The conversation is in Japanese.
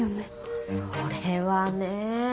それはねえ